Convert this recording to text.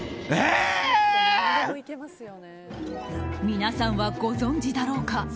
皆さんはご存じだろうか。